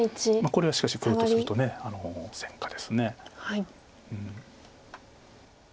これはしかし黒とすると戦果です。